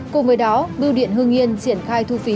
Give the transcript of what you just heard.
cùng với đó bưu điện hương yên triển khai thu phí